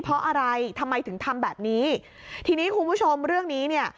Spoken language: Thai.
เพราะอะไรทำไมถึงทำแบบนี้ทีนี้คุณผู้ชมเรื่องนี้เนี่ย